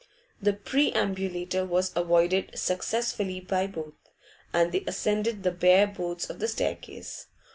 The perambulator was avoided successfully by both, and they ascended the bare boards of the staircase.